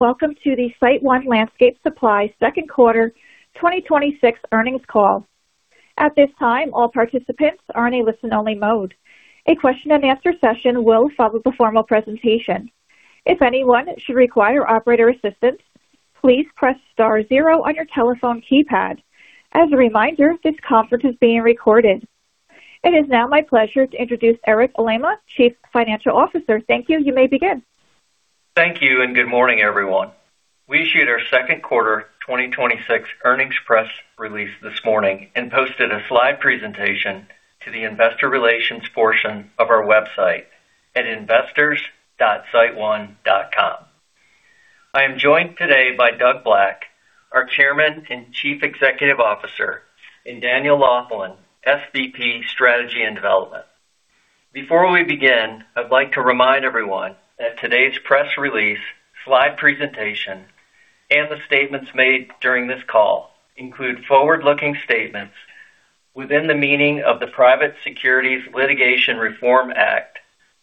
Welcome to the SiteOne Landscape Supply Second Quarter 2026 Earnings Call. At this time, all participants are in a listen-only mode. A question-and-answer session will follow the formal presentation. If anyone should require operator assistance, please press star zero on your telephone keypad. As a reminder, this conference is being recorded. It is now my pleasure to introduce Eric Elema, Chief Financial Officer. Thank you. You may begin. Thank you. Good morning, everyone. We issued our second quarter 2026 earnings press release this morning and posted a slide presentation to the investor relations portion of our website at investors.siteone.com. I am joined today by Doug Black, our Chairman and Chief Executive Officer, and Daniel Laughlin, SVP, Strategy and Development. Before we begin, I'd like to remind everyone that today's press release, slide presentation, and the statements made during this call include forward-looking statements within the meaning of the Private Securities Litigation Reform Act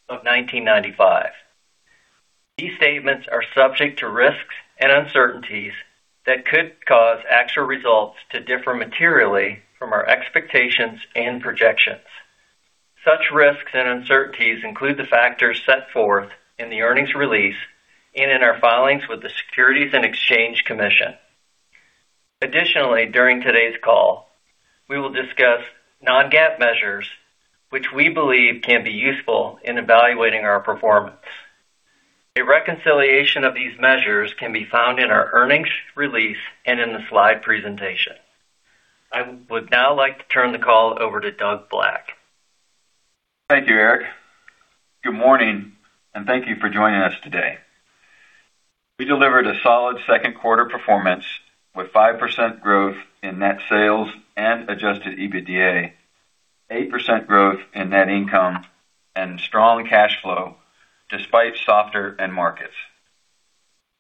of 1995. These statements are subject to risks and uncertainties that could cause actual results to differ materially from our expectations and projections. Such risks and uncertainties include the factors set forth in the earnings release and in our filings with the Securities and Exchange Commission. Additionally, during today's call, we will discuss non-GAAP measures, which we believe can be useful in evaluating our performance. A reconciliation of these measures can be found in our earnings release and in the slide presentation. I would now like to turn the call over to Doug Black. Thank you, Eric. Good morning. Thank you for joining us today. We delivered a solid second quarter performance with 5% growth in net sales and adjusted EBITDA, 8% growth in net income and strong cash flow despite softer end markets.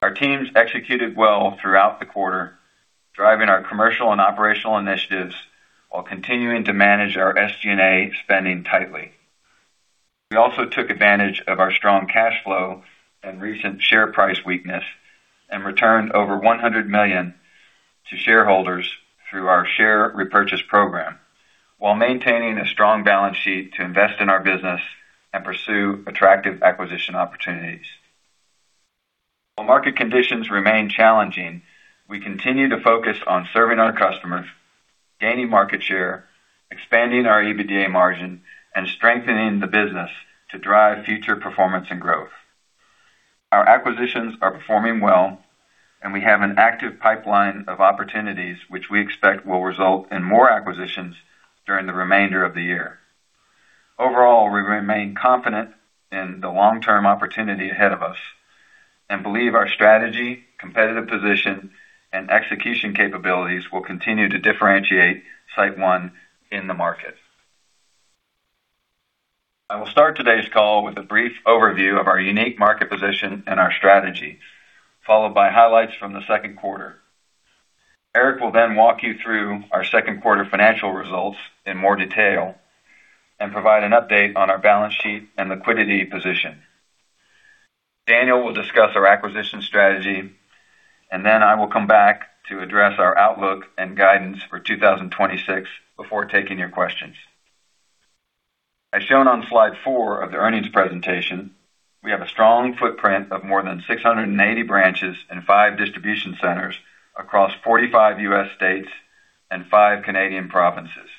Our teams executed well throughout the quarter, driving our commercial and operational initiatives while continuing to manage our SG&A spending tightly. We also took advantage of our strong cash flow and recent share price weakness and returned over $100 million to shareholders through our share repurchase program while maintaining a strong balance sheet to invest in our business and pursue attractive acquisition opportunities. While market conditions remain challenging, we continue to focus on serving our customers, gaining market share, expanding our EBITDA margin, and strengthening the business to drive future performance and growth. Our acquisitions are performing well. We have an active pipeline of opportunities which we expect will result in more acquisitions during the remainder of the year. Overall, we remain confident in the long-term opportunity ahead of us and believe our strategy, competitive position, and execution capabilities will continue to differentiate SiteOne in the market. I will start today's call with a brief overview of our unique market position and our strategy, followed by highlights from the second quarter. Eric will walk you through our second quarter financial results in more detail and provide an update on our balance sheet and liquidity position. Daniel will discuss our acquisition strategy. I will come back to address our outlook and guidance for 2026 before taking your questions. As shown on slide four of the earnings presentation, we have a strong footprint of more than 680 branches and five distribution centers across 45 U.S. states and five Canadian provinces.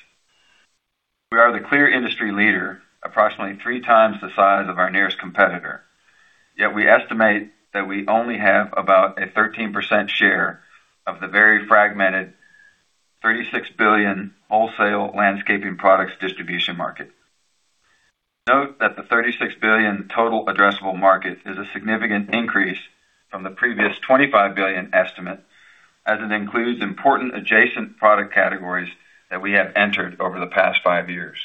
We are the clear industry leader, approximately three times the size of our nearest competitor. Yet we estimate that we only have about a 13% share of the very fragmented, $36 billion wholesale landscaping products distribution market. Note that the $36 billion total addressable market is a significant increase from the previous $25 billion estimate, as it includes important adjacent product categories that we have entered over the past five years.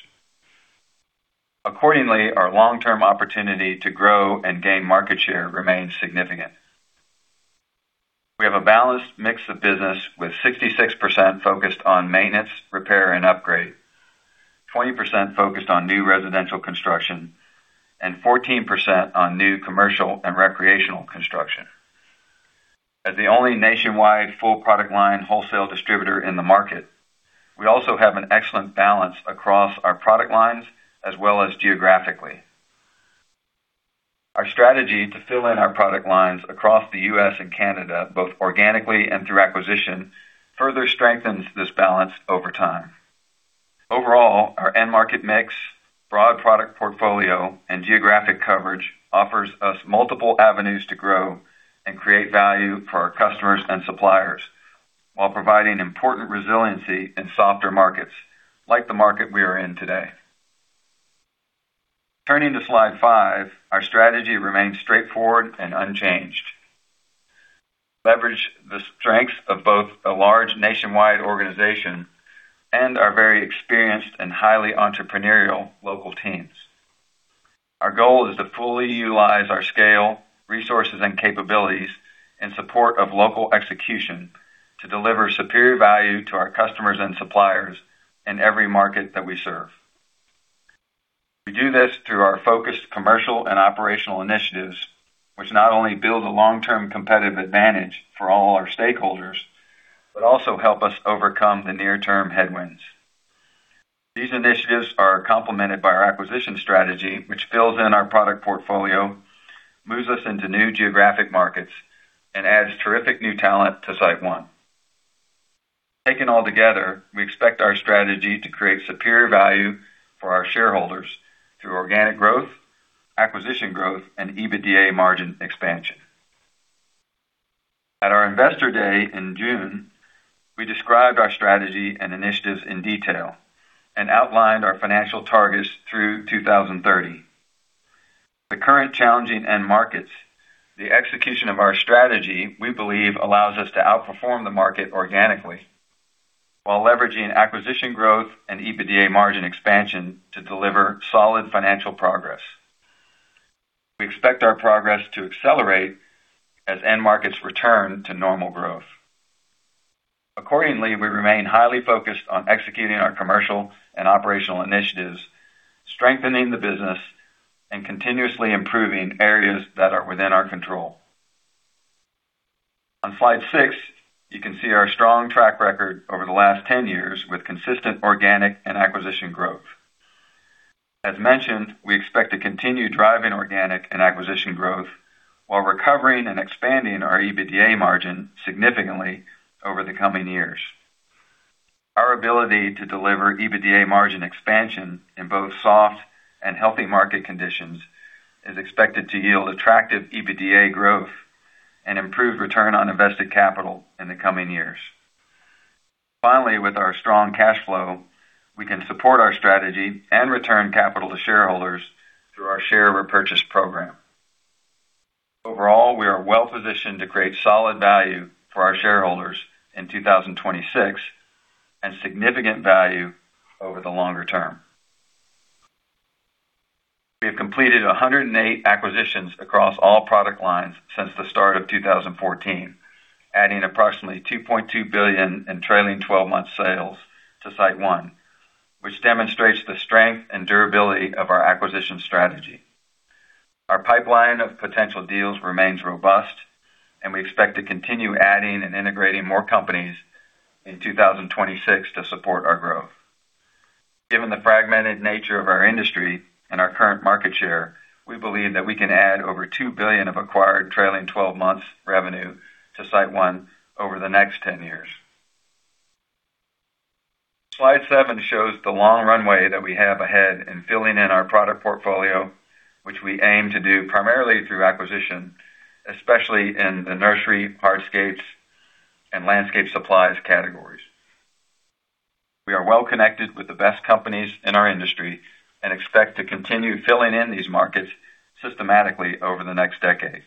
Accordingly, our long-term opportunity to grow and gain market share remains significant. We have a balanced mix of business with 66% focused on maintenance, repair, and upgrade, 20% focused on new residential construction, and 14% on new commercial and recreational construction. As the only nationwide full product line wholesale distributor in the market, we also have an excellent balance across our product lines as well as geographically. Our strategy to fill in our product lines across the U.S. and Canada, both organically and through acquisition, further strengthens this balance over time. Overall, our end market mix, broad product portfolio, and geographic coverage offers us multiple avenues to grow and create value for our customers and suppliers while providing important resiliency in softer markets like the market we are in today. Turning to slide five, our strategy remains straightforward and unchanged. Leverage the strengths of both a large nationwide organization and our very experienced and highly entrepreneurial local teams. Our goal is to fully utilize our scale, resources, and capabilities in support of local execution to deliver superior value to our customers and suppliers in every market that we serve. We do this through our focused commercial and operational initiatives, which not only build a long-term competitive advantage for all our stakeholders, but also help us overcome the near-term headwinds. These initiatives are complemented by our acquisition strategy, which fills in our product portfolio, moves us into new geographic markets, and adds terrific new talent to SiteOne. Taken altogether, we expect our strategy to create superior value for our shareholders through organic growth, acquisition growth, and EBITDA margin expansion. At our Investor Day in June, we described our strategy and initiatives in detail and outlined our financial targets through 2030. The current challenging end markets, the execution of our strategy, we believe, allows us to outperform the market organically while leveraging acquisition growth and EBITDA margin expansion to deliver solid financial progress. We expect our progress to accelerate as end markets return to normal growth. Accordingly, we remain highly focused on executing our commercial and operational initiatives, strengthening the business, and continuously improving areas that are within our control. On slide six, you can see our strong track record over the last 10 years with consistent organic and acquisition growth. As mentioned, we expect to continue driving organic and acquisition growth while recovering and expanding our EBITDA margin significantly over the coming years. Our ability to deliver EBITDA margin expansion in both soft and healthy market conditions is expected to yield attractive EBITDA growth and improve return on invested capital in the coming years. Finally, with our strong cash flow, we can support our strategy and return capital to shareholders through our share repurchase program. Overall, we are well-positioned to create solid value for our shareholders in 2026 and significant value over the longer term. We have completed 108 acquisitions across all product lines since the start of 2014, adding approximately $2.2 billion in trailing 12-month sales to SiteOne, which demonstrates the strength and durability of our acquisition strategy. Our pipeline of potential deals remains robust, and we expect to continue adding and integrating more companies in 2026 to support our growth. Given the fragmented nature of our industry and our current market share, we believe that we can add over $2 billion of acquired trailing 12 months revenue to SiteOne over the next 10 years. Slide seven shows the long runway that we have ahead in filling in our product portfolio, which we aim to do primarily through acquisition, especially in the nursery, hardscapes, and landscape supplies categories. We are well-connected with the best companies in our industry and expect to continue filling in these markets systematically over the next decade.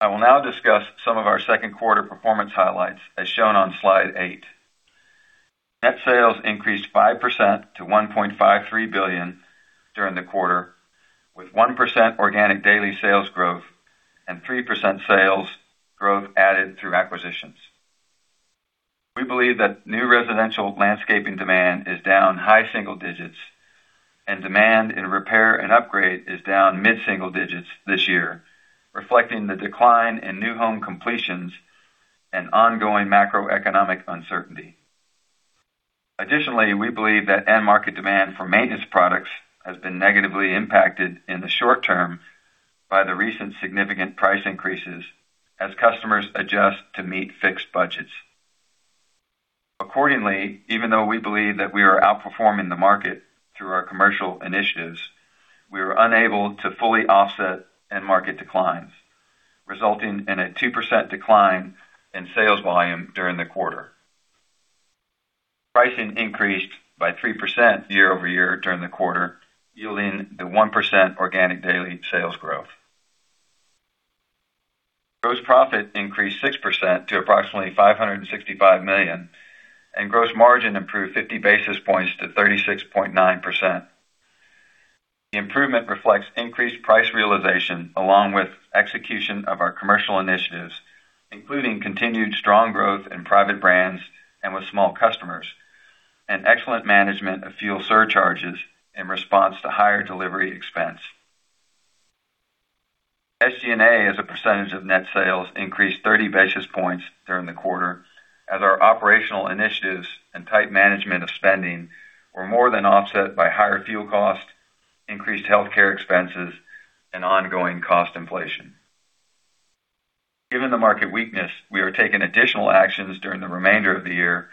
I will now discuss some of our second quarter performance highlights, as shown on slide eight. Net sales increased 5% to $1.53 billion during the quarter, with 1% organic daily sales growth and 3% sales growth added through acquisitions. We believe that new residential landscaping demand is down high single digits, and demand in repair and upgrade is down mid-single digits this year, reflecting the decline in new home completions and ongoing macroeconomic uncertainty. Additionally, we believe that end market demand for maintenance products has been negatively impacted in the short term by the recent significant price increases as customers adjust to meet fixed budgets. Accordingly, even though we believe that we are outperforming the market through our commercial initiatives, we were unable to fully offset end market declines, resulting in a 2% decline in sales volume during the quarter. Pricing increased by 3% year-over-year during the quarter, yielding the 1% organic daily sales growth. Gross profit increased 6% to approximately $565 million, and gross margin improved 50 basis points to 36.9%. The improvement reflects increased price realization along with execution of our commercial initiatives, including continued strong growth in private brands and with small customers, and excellent management of fuel surcharges in response to higher delivery expense. SG&A, as a percentage of net sales, increased 30 basis points during the quarter as our operational initiatives and tight management of spending were more than offset by higher fuel costs, increased healthcare expenses, and ongoing cost inflation. Given the market weakness, we are taking additional actions during the remainder of the year,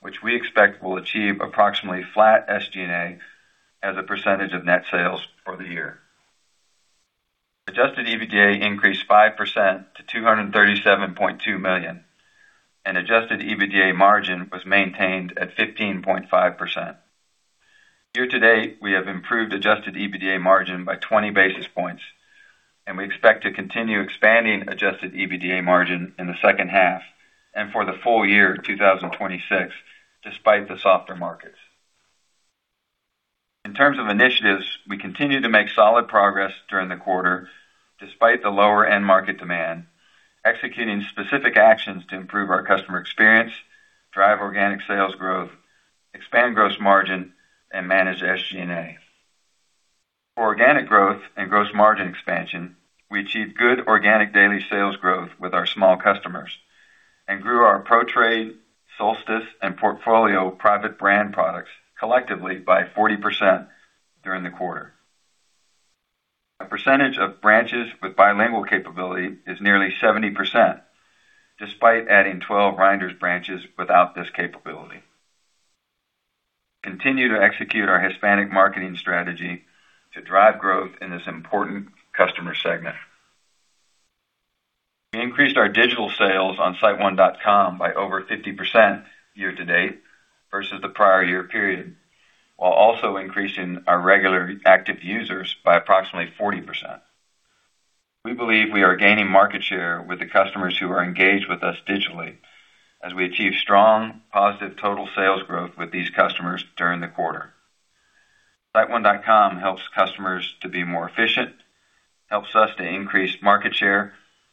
which we expect will achieve approximately flat SG&A as a percentage of net sales for the year. Adjusted EBITDA increased 5% to $237.2 million, and adjusted EBITDA margin was maintained at 15.5%. Year-to-date, we have improved adjusted EBITDA margin by 20 basis points, and we expect to continue expanding adjusted EBITDA margin in the second half and for the full year 2026, despite the softer markets. In terms of initiatives, we continue to make solid progress during the quarter despite the lower end market demand. Executing specific actions to improve our customer experience, drive organic sales growth, expand gross margin, and manage SG&A. For organic growth and gross margin expansion, we achieved good organic daily sales growth with our small customers and grew our Pro-Trade, Solstice, and Portfolio private brand products collectively by 40% during the quarter. A percentage of branches with bilingual capability is nearly 70%, despite adding 12 Reinders branches without this capability. We continue to execute our Hispanic marketing strategy to drive growth in this important customer segment. We increased our digital sales on siteone.com by over 50% year-to-date versus the prior year period, while also increasing our regular active users by approximately 40%. We believe we are gaining market share with the customers who are engaged with us digitally as we achieve strong, positive total sales growth with these customers during the quarter. siteone.com helps customers to be more efficient, helps us to increase market share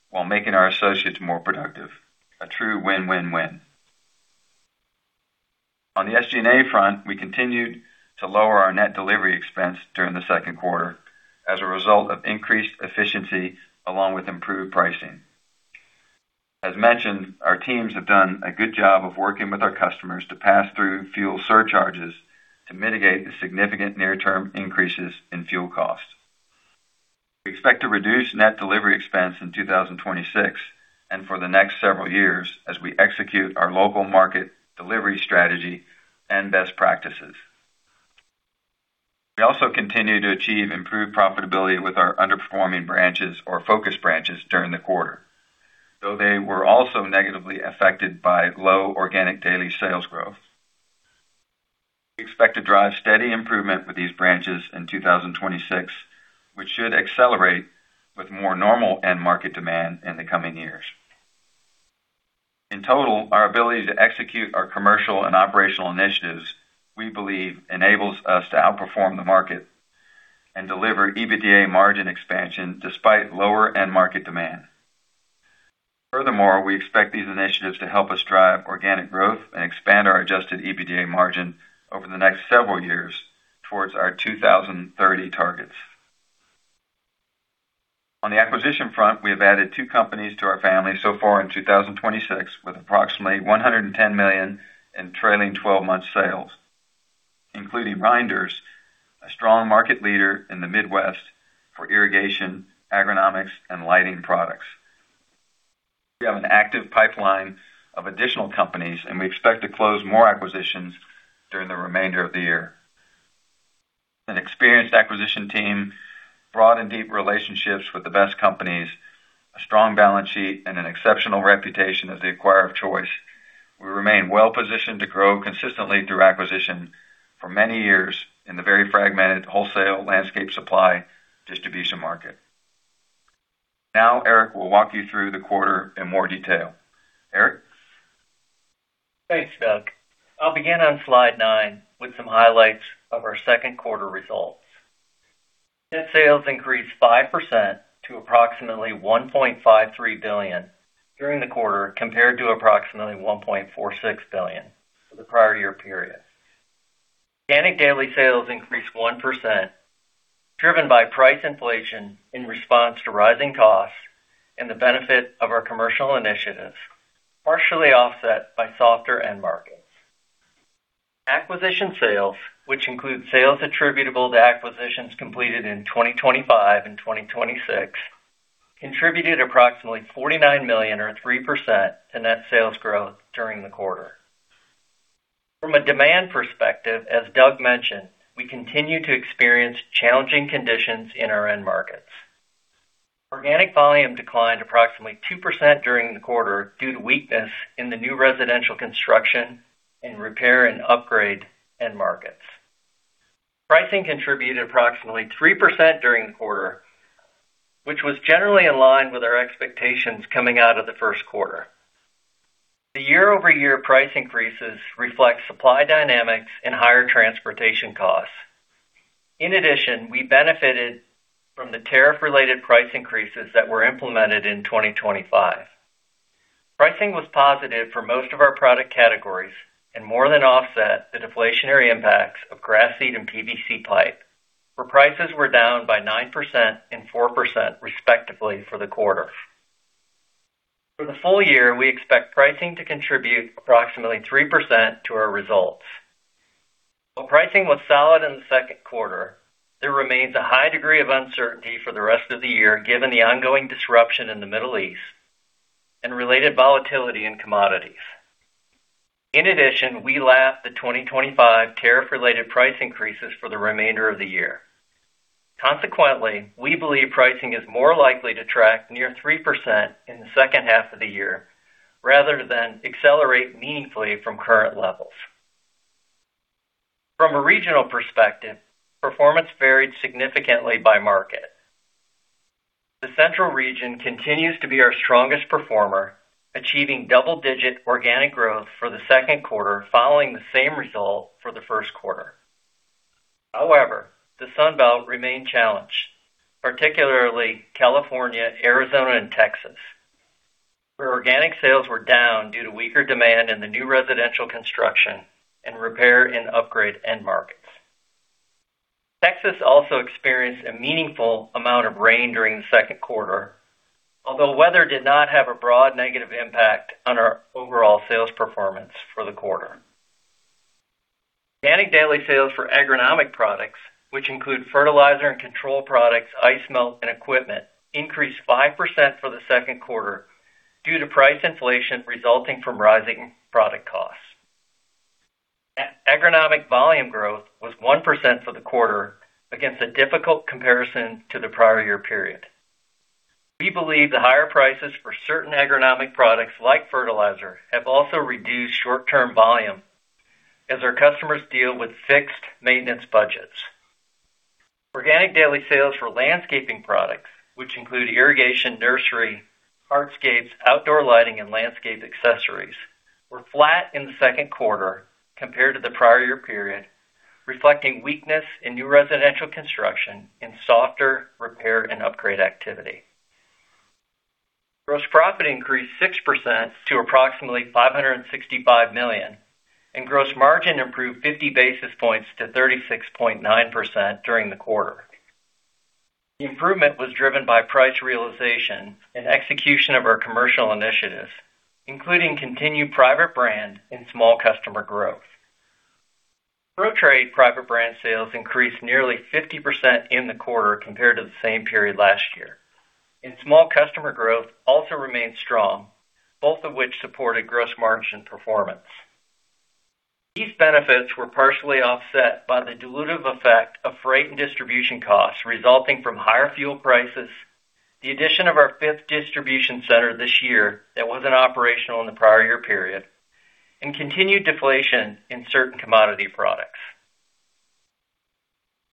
while making our associates more productive. A true win-win-win. On the SG&A front, we continued to lower our net delivery expense during the second quarter as a result of increased efficiency along with improved pricing. As mentioned, our teams have done a good job of working with our customers to pass through fuel surcharges to mitigate the significant near-term increases in fuel costs. We expect to reduce net delivery expense in 2026 and for the next several years as we execute our local market delivery strategy and best practices. We also continue to achieve improved profitability with our underperforming branches or focus branches during the quarter, though they were also negatively affected by low organic daily sales growth. We expect to drive steady improvement with these branches in 2026, which should accelerate with more normal end market demand in the coming years. In total, our ability to execute our commercial and operational initiatives, we believe, enables us to outperform the market and deliver EBITDA margin expansion despite lower end market demand. Furthermore, we expect these initiatives to help us drive organic growth and expand our adjusted EBITDA margin over the next several years towards our 2030 targets. On the acquisition front, we have added two companies to our family so far in 2026 with approximately $110 million in trailing 12-month sales, including Reinders, a strong market leader in the Midwest for irrigation, agronomics, and lighting products. We have an active pipeline of additional companies. We expect to close more acquisitions during the remainder of the year. An experienced acquisition team, broad and deep relationships with the best companies, a strong balance sheet, and an exceptional reputation as the acquirer of choice, we remain well-positioned to grow consistently through acquisition for many years in the very fragmented wholesale landscape supply distribution market. Eric will walk you through the quarter in more detail. Eric? Thanks, Doug. I'll begin on slide nine with some highlights of our second quarter results. Net sales increased 5% to approximately $1.53 billion during the quarter, compared to approximately $1.46 billion for the prior year period. Organic daily sales increased 1%, driven by price inflation in response to rising costs and the benefit of our commercial initiatives, partially offset by softer end markets. Acquisition sales, which include sales attributable to acquisitions completed in 2025 and 2026, contributed approximately $49 million or 3% to net sales growth during the quarter. From a demand perspective, as Doug mentioned, we continue to experience challenging conditions in our end markets. Organic volume declined approximately 2% during the quarter due to weakness in the new residential construction and repair and upgrade end markets. Pricing contributed approximately 3% during the quarter, which was generally in line with our expectations coming out of the first quarter. The year-over-year price increases reflect supply dynamics and higher transportation costs. We benefited from the tariff-related price increases that were implemented in 2025. Pricing was positive for most of our product categories and more than offset the deflationary impacts of grass seed and PVC pipe, where prices were down by 9% and 4%, respectively, for the quarter. For the full year, we expect pricing to contribute approximately 3% to our results. While pricing was solid in the second quarter, there remains a high degree of uncertainty for the rest of the year, given the ongoing disruption in the Middle East and related volatility in commodities. We lap the 2025 tariff-related price increases for the remainder of the year. We believe pricing is more likely to track near 3% in the second half of the year rather than accelerate meaningfully from current levels. From a regional perspective, performance varied significantly by market. The central region continues to be our strongest performer, achieving double-digit organic growth for the second quarter, following the same result for the first quarter. The Sun Belt remained challenged, particularly California, Arizona, and Texas, where organic sales were down due to weaker demand in the new residential construction and repair and upgrade end markets. Texas also experienced a meaningful amount of rain during the second quarter, although weather did not have a broad negative impact on our overall sales performance for the quarter. Organic daily sales for agronomic products, which include fertilizer and control products, ice melt, and equipment, increased 5% for the second quarter due to price inflation resulting from rising product costs. Agronomic volume growth was 1% for the quarter against a difficult comparison to the prior year period. We believe the higher prices for certain agronomic products like fertilizer have also reduced short-term volume as our customers deal with fixed maintenance budgets. Organic daily sales for landscaping products, which include irrigation, nursery, hardscapes, outdoor lighting, and landscape accessories, were flat in the second quarter compared to the prior year period, reflecting weakness in new residential construction and softer repair and upgrade activity. Gross profit increased 6% to approximately $565 million, and gross margin improved 50 basis points to 36.9% during the quarter. The improvement was driven by price realization and execution of our commercial initiatives, including continued private brand and small customer growth. Pro-Trade private brand sales increased nearly 50% in the quarter compared to the same period last year, and small customer growth also remained strong, both of which supported gross margin performance. These benefits were partially offset by the dilutive effect of freight and distribution costs resulting from higher fuel prices, the addition of our fifth distribution center this year that wasn't operational in the prior year period, and continued deflation in certain commodity products.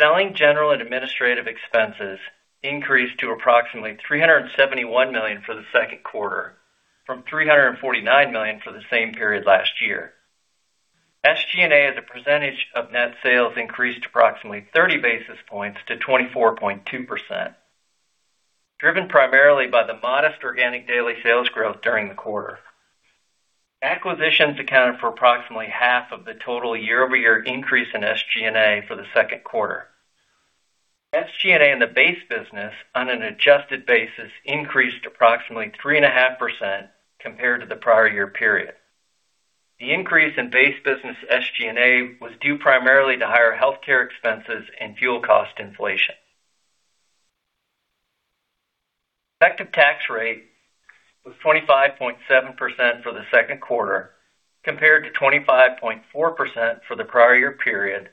Selling, general, and administrative expenses increased to approximately $371 million for the second quarter from $349 million for the same period last year. SG&A as a percentage of net sales increased approximately 30 basis points to 24.2%, driven primarily by the modest organic daily sales growth during the quarter. Acquisitions accounted for approximately half of the total year-over-year increase in SG&A for the second quarter. SG&A in the base business on an adjusted basis increased approximately 3.5% compared to the prior year period. The increase in base business SG&A was due primarily to higher healthcare expenses and fuel cost inflation. Effective tax rate was 25.7% for the second quarter, compared to 25.4% for the prior year period,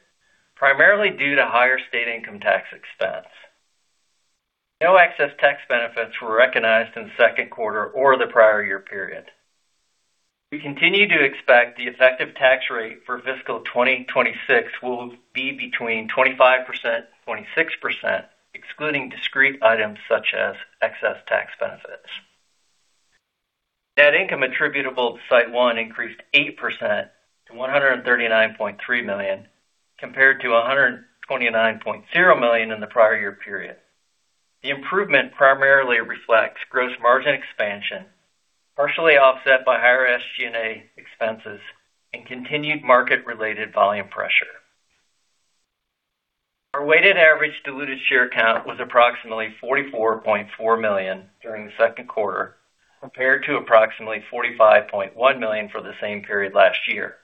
primarily due to higher state income tax expense. No excess tax benefits were recognized in the second quarter or the prior year period. We continue to expect the effective tax rate for fiscal 2026 will be between 25% and 26%, excluding discrete items such as excess tax benefits. Net income attributable to SiteOne increased 8% to $139.3 million, compared to $129.0 million in the prior year period. The improvement primarily reflects gross margin expansion, partially offset by higher SG&A expenses and continued market-related volume pressure. Our weighted average diluted share count was approximately 44.4 million during the second quarter, compared to approximately 45.1 million for the same period last year.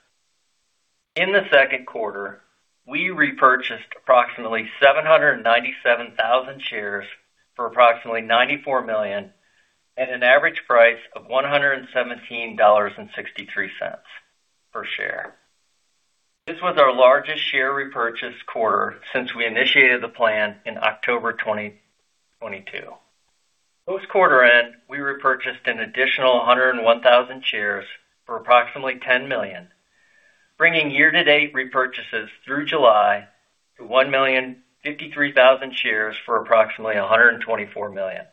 In the second quarter, we repurchased approximately 797,000 shares for approximately $94 million at an average price of $117.63 per share. This was our largest share repurchase quarter since we initiated the plan in October 2022. Post quarter end, we repurchased an additional 101,000 shares for approximately $10 million, bringing year-to-date repurchases through July to 1,053,000 shares for approximately $124 million.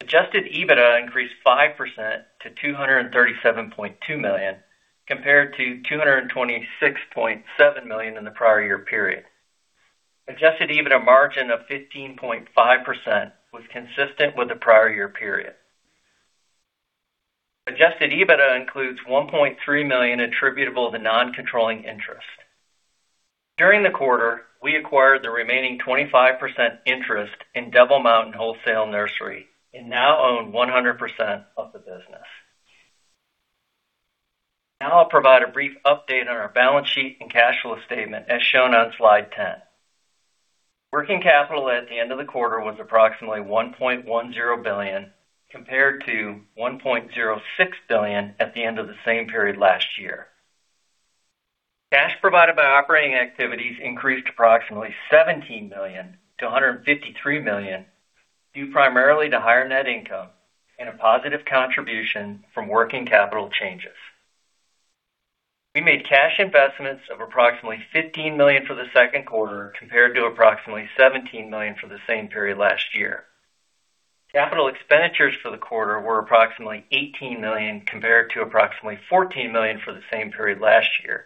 Adjusted EBITDA increased 5% to $237.2 million, compared to $226.7 million in the prior year period. Adjusted EBITDA margin of 15.5% was consistent with the prior year period. Adjusted EBITDA includes $1.3 million attributable to non-controlling interest. During the quarter, we acquired the remaining 25% interest in Devil Mountain Wholesale Nursery and now own 100% of the business. Now I'll provide a brief update on our balance sheet and cash flow statement, as shown on slide ten. Working capital at the end of the quarter was approximately $1.10 billion, compared to $1.06 billion at the end of the same period last year. Cash provided by operating activities increased approximately $17 million to $153 million due primarily to higher net income and a positive contribution from working capital changes. We made cash investments of approximately $15 million for the second quarter, compared to approximately $17 million for the same period last year. Capital expenditures for the quarter were approximately $18 million compared to approximately $14 million for the same period last year,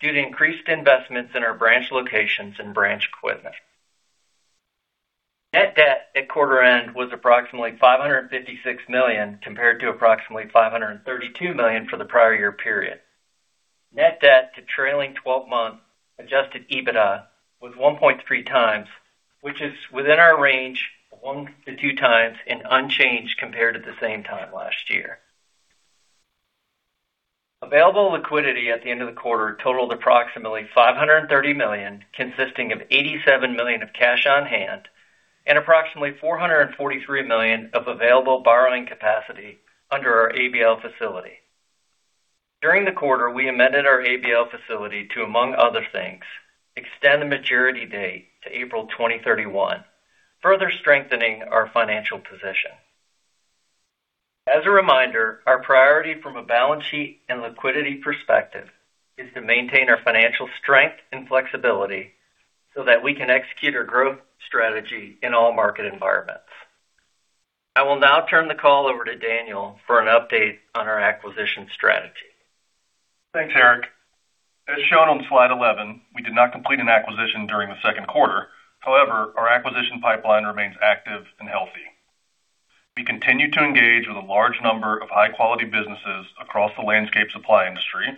due to increased investments in our branch locations and branch equipment. Net debt at quarter end was approximately $556 million, compared to approximately $532 million for the prior year period. Net debt to trailing 12-month adjusted EBITDA was 1.3x, which is within our range of 1x to 2x and unchanged compared to the same time last year. Available liquidity at the end of the quarter totaled approximately $530 million, consisting of $87 million of cash on hand and approximately $443 million of available borrowing capacity under our ABL facility. During the quarter, we amended our ABL facility to, among other things, extend the maturity date to April 2031, further strengthening our financial position. As a reminder, our priority from a balance sheet and liquidity perspective is to maintain our financial strength and flexibility so that we can execute our growth strategy in all market environments. I will now turn the call over to Daniel for an update on our acquisition strategy. Thanks, Eric. As shown on slide 11, we did not complete an acquisition during the second quarter. However, our acquisition pipeline remains active and healthy. We continue to engage with a large number of high-quality businesses across the landscape supply industry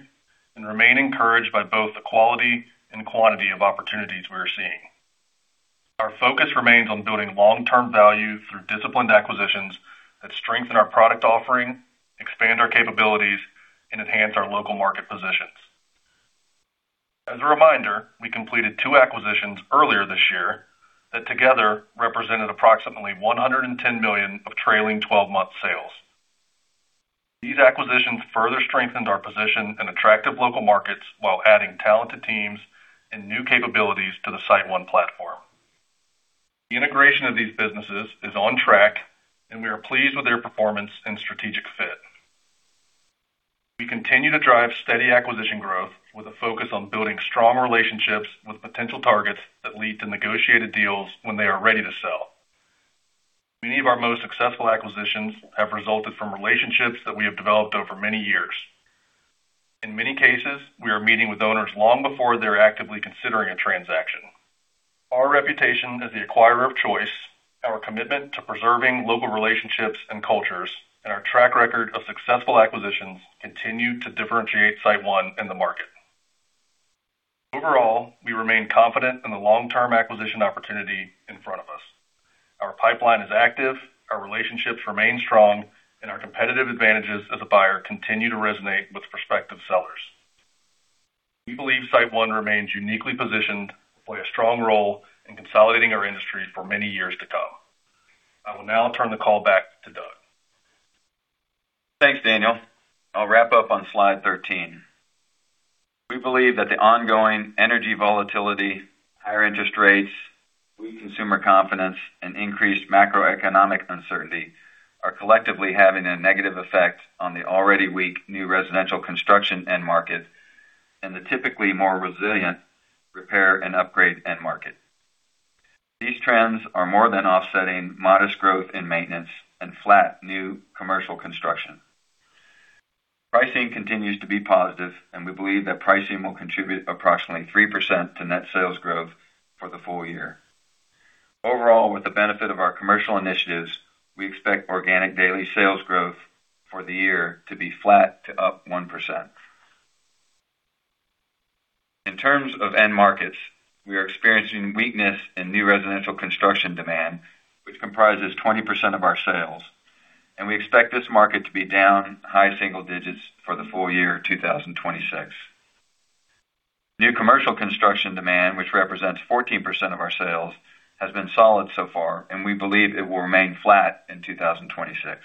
and remain encouraged by both the quality and quantity of opportunities we are seeing. Our focus remains on building long-term value through disciplined acquisitions that strengthen our product offering, expand our capabilities, and enhance our local market positions. As a reminder, we completed two acquisitions earlier this year that together represented approximately $110 million of trailing 12-month sales. These acquisitions further strengthened our position in attractive local markets while adding talented teams and new capabilities to the SiteOne platform. The integration of these businesses is on track, and we are pleased with their performance and strategic fit. We continue to drive steady acquisition growth with a focus on building strong relationships with potential targets that lead to negotiated deals when they are ready to sell. Many of our most successful acquisitions have resulted from relationships that we have developed over many years. In many cases, we are meeting with owners long before they're actively considering a transaction. Our reputation as the acquirer of choice, our commitment to preserving local relationships and cultures, and our track record of successful acquisitions, continue to differentiate SiteOne in the market. Overall, we remain confident in the long-term acquisition opportunity in front of us. Our pipeline is active, our relationships remain strong, and our competitive advantages as a buyer continue to resonate with prospective sellers. We believe SiteOne remains uniquely positioned to play a strong role in consolidating our industry for many years to come. I will now turn the call back to Doug. Thanks, Daniel. I'll wrap up on slide 13. We believe that the ongoing energy volatility, higher interest rates, weak consumer confidence, and increased macroeconomic uncertainty are collectively having a negative effect on the already weak new residential construction end market, and the typically more resilient repair and upgrade end market. These trends are more than offsetting modest growth in maintenance and flat new commercial construction. Pricing continues to be positive, and we believe that pricing will contribute approximately 3% to net sales growth for the full year. Overall, with the benefit of our commercial initiatives, we expect organic daily sales growth for the year to be flat to up 1%. In terms of end markets, we are experiencing weakness in new residential construction demand, which comprises 20% of our sales, and we expect this market to be down high single digits for the full year 2026. New commercial construction demand, which represents 14% of our sales, has been solid so far, and we believe it will remain flat in 2026.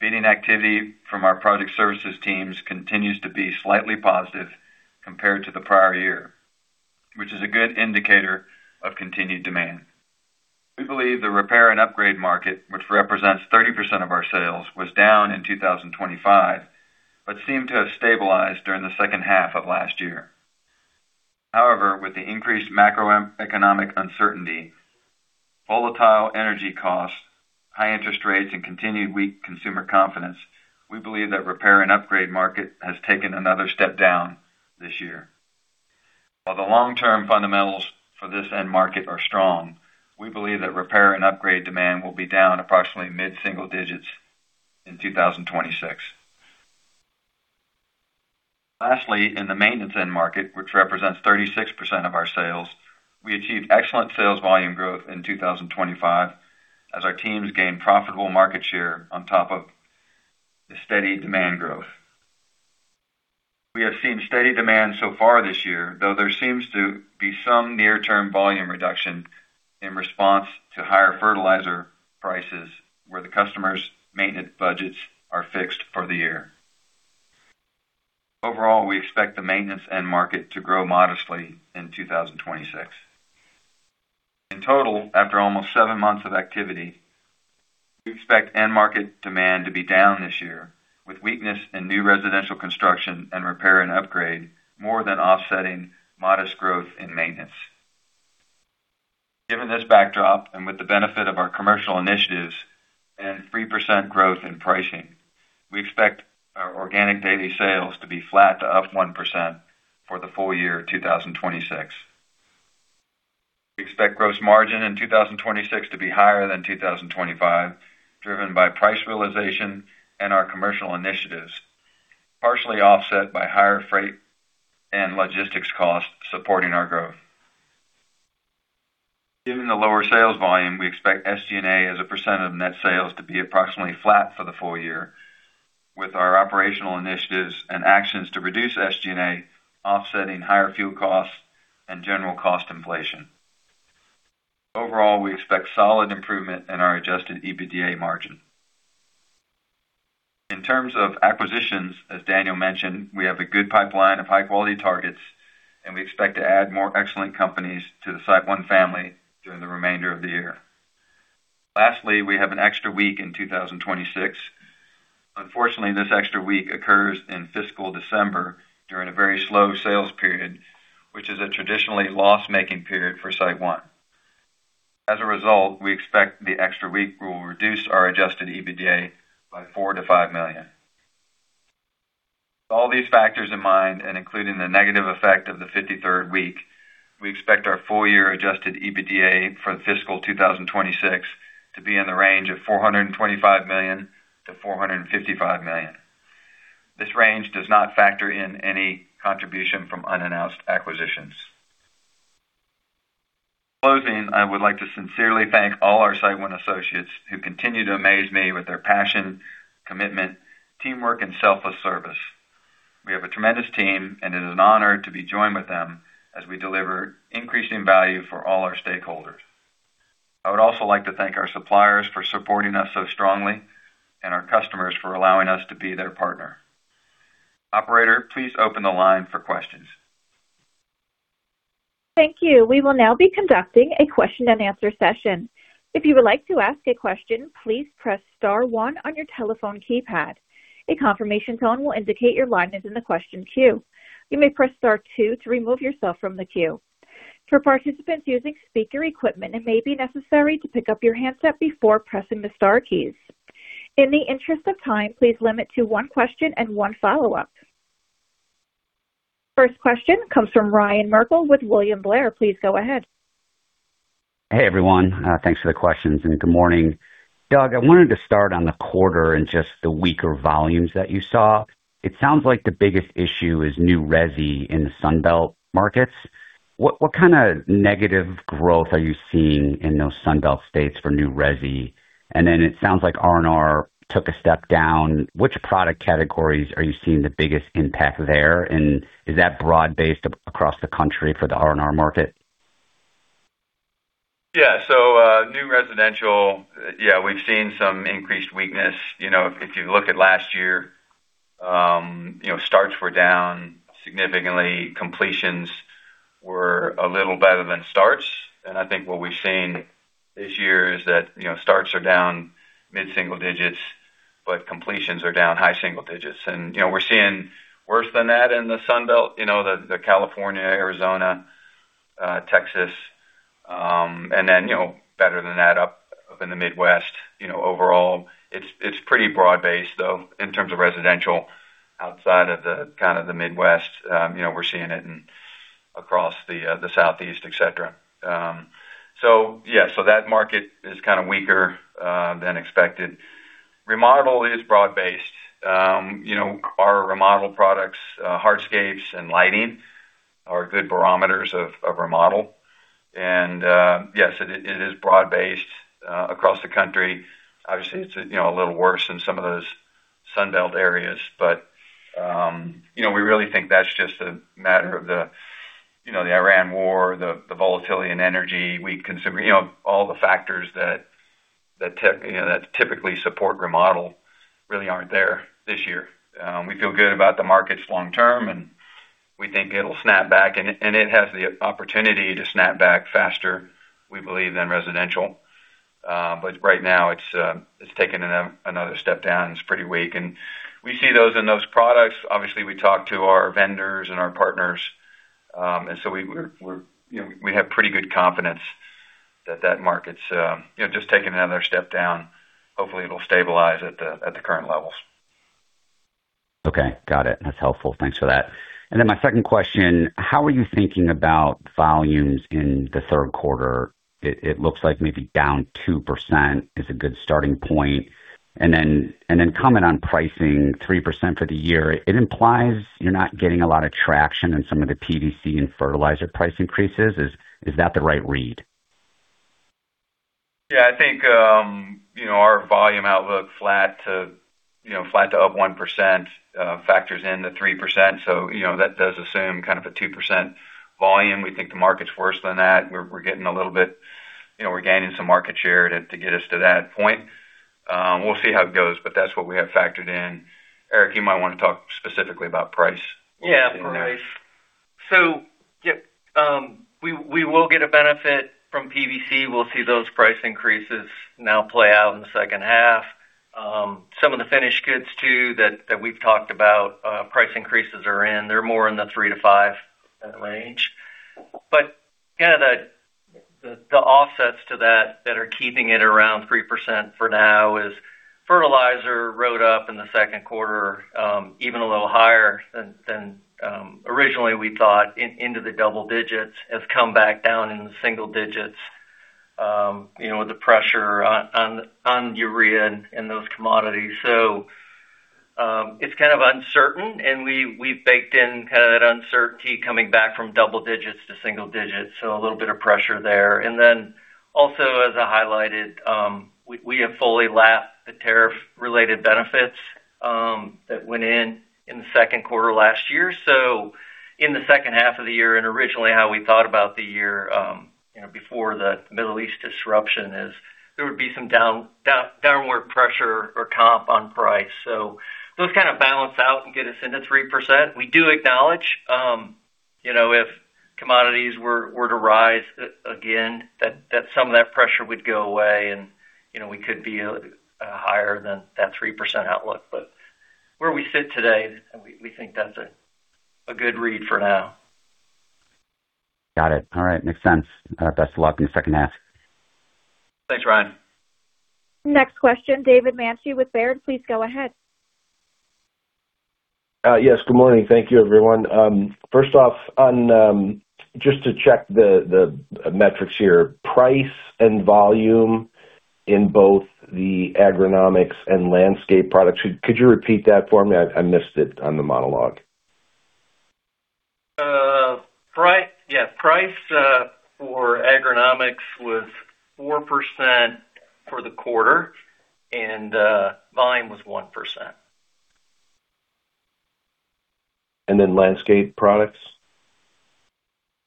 Beating activity from our project services teams continues to be slightly positive compared to the prior year, which is a good indicator of continued demand. We believe the repair and upgrade market, which represents 30% of our sales, was down in 2025, but seemed to have stabilized during the second half of last year. However, with the increased macroeconomic uncertainty, volatile energy costs, high interest rates, and continued weak consumer confidence, we believe that repair and upgrade market has taken another step down this year. While the long-term fundamentals for this end market are strong, we believe that repair and upgrade demand will be down approximately mid-single digits in 2026. Lastly, in the maintenance end market, which represents 36% of our sales, we achieved excellent sales volume growth in 2025 as our teams gained profitable market share on top of the steady demand growth. We have seen steady demand so far this year, though there seems to be some near-term volume reduction in response to higher fertilizer prices where the customer's maintenance budgets are fixed for the year. Overall, we expect the maintenance end market to grow modestly in 2026. In total, after almost seven months of activity, we expect end market demand to be down this year With weakness in new residential construction and repair and upgrade, more than offsetting modest growth in maintenance. Given this backdrop, and with the benefit of our commercial initiatives and 3% growth in pricing, we expect our organic daily sales to be flat to up 1% for the full year 2026. We expect gross margin in 2026 to be higher than 2025, driven by price realization and our commercial initiatives, partially offset by higher freight and logistics costs supporting our growth. Given the lower sales volume, we expect SG&A as a percent of net sales to be approximately flat for the full year, with our operational initiatives and actions to reduce SG&A offsetting higher fuel costs and general cost inflation. Overall, we expect solid improvement in our adjusted EBITDA margin. In terms of acquisitions, as Daniel mentioned, we have a good pipeline of high-quality targets, and we expect to add more excellent companies to the SiteOne family during the remainder of the year. Lastly, we have an extra week in 2026. Unfortunately, this extra week occurs in fiscal December during a very slow sales period, which is a traditionally loss-making period for SiteOne. As a result, we expect the extra week will reduce our adjusted EBITDA by $4 million-$5 million. With all these factors in mind, and including the negative effect of the 53rd week, we expect our full year adjusted EBITDA for fiscal 2026 to be in the range of $425 million-$455 million. This range does not factor in any contribution from unannounced acquisitions. In closing, I would like to sincerely thank all our SiteOne associates who continue to amaze me with their passion, commitment, teamwork, and selfless service. We have a tremendous team, and it is an honor to be joined with them as we deliver increasing value for all our stakeholders. I would also like to thank our suppliers for supporting us so strongly, and our customers for allowing us to be their partner. Operator, please open the line for questions. Thank you. We will now be conducting a question and answer session. If you would like to ask a question, please press star one on your telephone keypad. A confirmation tone will indicate your line is in the question queue. You may press star two to remove yourself from the queue. For participants using speaker equipment, it may be necessary to pick up your handset before pressing the star keys. In the interest of time, please limit to one question and one follow-up. First question comes from Ryan Merkel with William Blair. Please go ahead. Hey, everyone. Thanks for the questions, and good morning. Doug, I wanted to start on the quarter and just the weaker volumes that you saw. It sounds like the biggest issue is new resi in the Sun Belt markets. What kind of negative growth are you seeing in those Sun Belt states for new resi? It sounds like R&R took a step down. Which product categories are you seeing the biggest impact there? Is that broad-based across the country for the R&R market? Yeah. New residential, we've seen some increased weakness. If you look at last year, starts were down significantly. Completions were a little better than starts. I think what we've seen this year is that starts are down mid-single digits, but completions are down high single digits. We're seeing worse than that in the Sun Belt, the California, Arizona, Texas, and then better than that up in the Midwest. Overall, it's pretty broad-based, though, in terms of residential outside of the Midwest. We're seeing it in across the Southeast, et cetera. Yeah. That market is kind of weaker than expected. Remodel is broad-based. Our remodel products, hardscapes and lighting are good barometers of remodel. Yes, it is broad-based across the country. Obviously, it's a little worse in some of those Sun Belt areas. We really think that's just a matter of the Ukraine war, the volatility in energy, weak consumer, all the factors that typically support remodel really aren't there this year. We feel good about the markets long term, and we think it'll snap back, and it has the opportunity to snap back faster, we believe, than residential. Right now it's taken another step down. It's pretty weak. We see those in those products. Obviously, we talk to our vendors and our partners. We have pretty good confidence that that market's just taken another step down. Hopefully, it'll stabilize at the current levels. Okay. Got it. That's helpful. Thanks for that. My second question, how are you thinking about volumes in the third quarter? It looks like maybe down 2% is a good starting point. Comment on pricing 3% for the year. It implies you're not getting a lot of traction in some of the PVC and fertilizer price increases. Is that the right read? I think our volume outlook flat to up 1% factors in the 3%. That does assume a 2% volume. We think the market's worse than that. We're gaining some market share to get us to that point. We'll see how it goes, but that's what we have factored in. Eric, you might want to talk specifically about price. Price. We will get a benefit from PVC. We'll see those price increases now play out in the second half. Some of the finished goods too, that we've talked about, price increases are in. They're more in the 3%-5% range. The offsets to that are keeping it around 3% for now is fertilizer rode up in the second quarter, even a little higher than originally we thought, into the double digits. It's come back down into single digits, with the pressure on urea and those commodities. It's kind of uncertain, and we've baked in that uncertainty coming back from double digits to single digits, a little bit of pressure there. As I highlighted, we have fully lapped the tariff-related benefits that went in the second quarter last year. In the second half of the year and originally how we thought about the year before the Middle East disruption is there would be some downward pressure or comp on price. Those kind of balance out and get us into 3%. We do acknowledge if commodities were to rise again, that some of that pressure would go away and we could be higher than that 3% outlook. Where we sit today, we think that's a good read for now. Got it. All right, makes sense. Best of luck in the second half. Thanks, Ryan. Next question, David Manthey with Baird. Please go ahead. Yes, good morning. Thank you, everyone. First off, just to check the metrics here, price and volume in both the agronomic products and landscaping products. Could you repeat that for me? I missed it on the monologue. Yeah. Price for agronomic products was 4% for the quarter, and volume was 1%. Landscape products?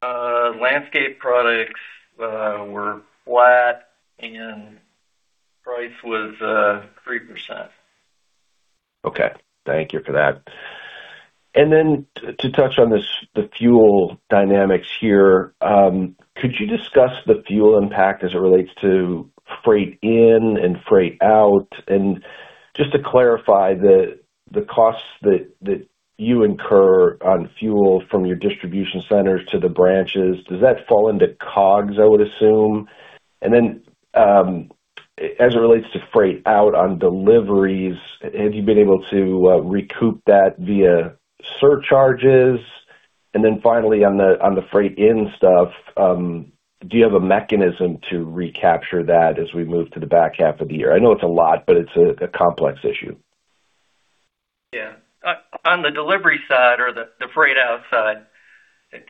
Landscape products were flat and price was 3%. Okay. Thank you for that. To touch on the fuel dynamics here, could you discuss the fuel impact as it relates to freight in and freight out? Just to clarify, the costs that you incur on fuel from your distribution centers to the branches, does that fall into COGS, I would assume? As it relates to freight out on deliveries, have you been able to recoup that via surcharges? Finally, on the freight in stuff, do you have a mechanism to recapture that as we move to the back half of the year? I know it's a lot, but it's a complex issue. Yeah. On the delivery side or the freight out side,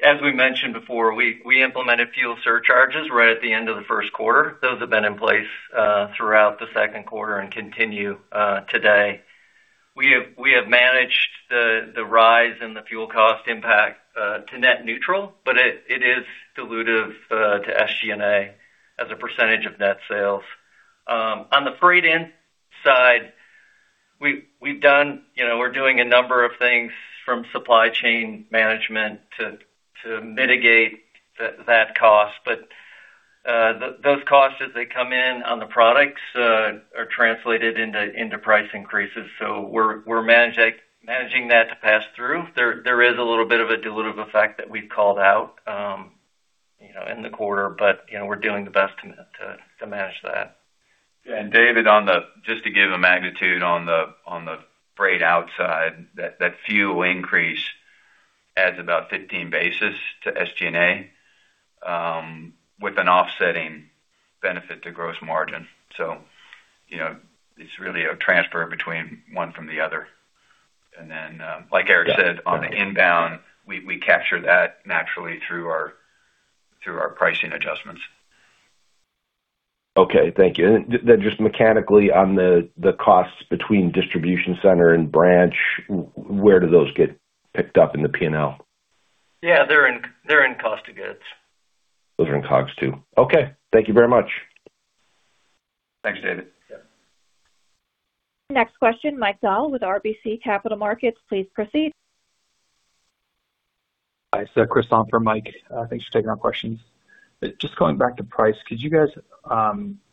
as we mentioned before, we implemented fuel surcharges right at the end of the first quarter. Those have been in place throughout the second quarter and continue today. We have managed the rise in the fuel cost impact to net neutral, but it is dilutive to SG&A as a percentage of net sales. On the freight in side, we're doing a number of things from supply chain management to mitigate that cost. Those costs, as they come in on the products, are translated into price increases. We're managing that to pass through. There is a little bit of a dilutive effect that we've called out in the quarter, but we're doing the best to manage that. Yeah. David, just to give a magnitude on the freight out side, that fuel increase adds about 15 basis to SG&A with an offsetting benefit to gross margin. It's really a transfer between one from the other. Like Eric said, on the inbound, we capture that naturally through our pricing adjustments. Okay, thank you. Just mechanically on the costs between distribution center and branch, where do those get picked up in the P&L? Yeah. They're in cost of goods. Those are in COGS too. Okay. Thank you very much. Thanks, David. Yeah. Next question, Mike Dahl with RBC Capital Markets. Please proceed. Hi. Chris, on for Mike. Thanks for taking our questions. Just going back to price, could you guys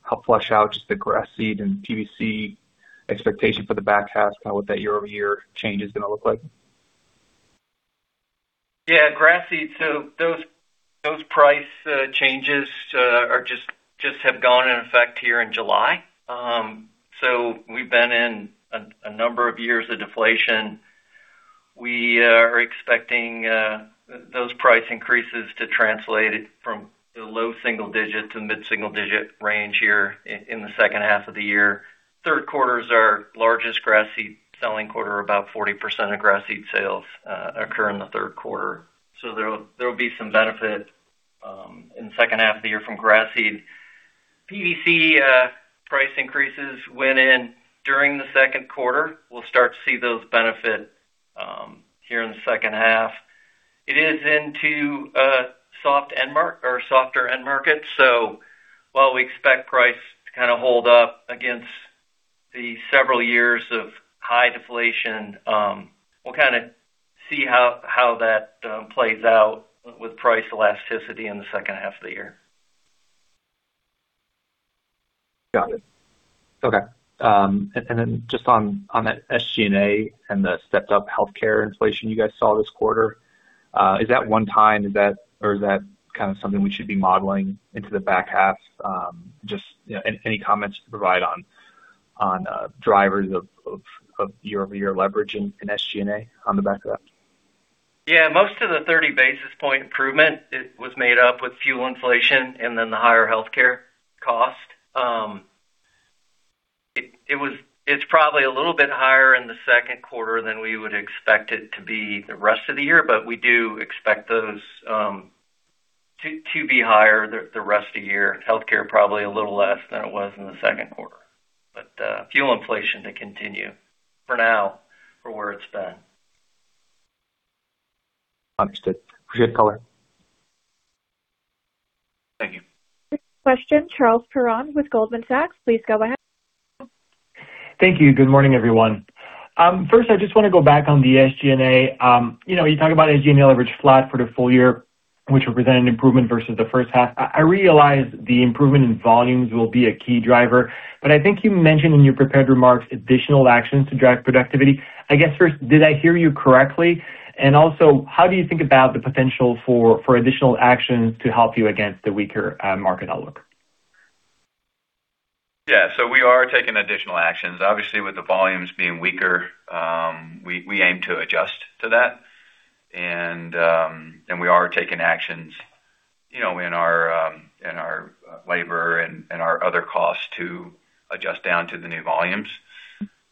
help flush out just the grass seed and PVC expectation for the back half, kind of what that year-over-year change is going to look like? Yeah, grass seed. Those price changes just have gone in effect here in July. We've been in a number of years of deflation. We are expecting those price increases to translate from the low single-digit to mid-single-digit range here in the second half of the year. Third quarter is our largest grass seed selling quarter. About 40% of grass seed sales occur in the third quarter. There will be some benefit in the second half of the year from grass seed. PVC price increases went in during the second quarter. We'll start to see those benefit here in the second half. It is into softer end markets, so while we expect price to kind of hold up against the several years of high deflation, we'll kind of see how that plays out with price elasticity in the second half of the year. Got it. Okay. Just on that SG&A and the stepped-up healthcare inflation you guys saw this quarter, is that one time? Or is that kind of something we should be modeling into the back half? Just any comments to provide on drivers of year-over-year leverage in SG&A on the back of that. Yeah, most of the 30 basis point improvement, it was made up with fuel inflation and then the higher healthcare cost. It's probably a little bit higher in the second quarter than we would expect it to be the rest of the year, but we do expect those to be higher the rest of the year. Healthcare probably a little less than it was in the second quarter. Fuel inflation to continue for now from where it's been. Understood. Appreciate the color. Thank you. Next question, Charles Perron with Goldman Sachs. Please go ahead. Thank you. Good morning, everyone. I just want to go back on the SG&A. You talk about SG&A leverage flat for the full year, which represented an improvement versus the first half. I realize the improvement in volumes will be a key driver. I think you mentioned in your prepared remarks additional actions to drive productivity. I guess, first, did I hear you correctly? How do you think about the potential for additional actions to help you against the weaker market outlook? Yeah. We are taking additional actions. Obviously, with the volumes being weaker, we aim to adjust to that. We are taking actions in our labor and our other costs to adjust down to the new volumes.